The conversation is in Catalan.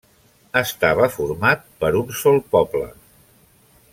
Estava format per un sol poble.